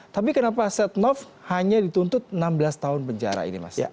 tapi kenapa setnov hanya dituntut enam belas tahun penjara ini mas